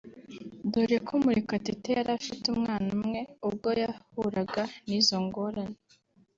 dore ko Murekatete yari afite umwana umwe ubwo yahuraga n’izo ngorane